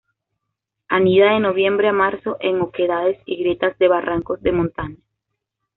Anida de noviembre a marzo en oquedades y grietas de barrancos de montaña.